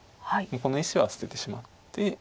この石は捨ててしまって。